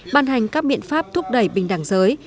ban hành các biện pháp thúc đẩy bình đẳng giới